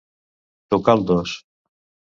Tocar el dos.